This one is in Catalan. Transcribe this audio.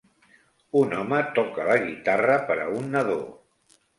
Un home toca la guitarra per a un nadó.